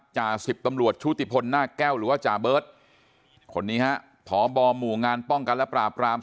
จ่าสิบตำรวจชุติพลหน้าแก้วหรือว่าจ่าเบิร์ตคนนี้ฮะพบหมู่งานป้องกันและปราบราม